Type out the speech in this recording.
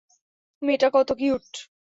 মেয়েটা কত কিউট!